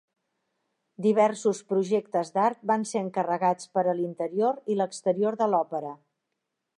Diversos projectes d'art van ser encarregats per a l'interior i l'exterior de l'òpera.